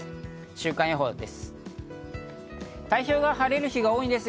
週間予報です。